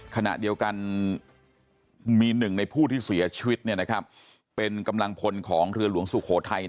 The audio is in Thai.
ขณะเดียวกันมีหนึ่งในผู้ที่เสียชีวิตเป็นกำลังพลของเรือหลวงสุโขทัย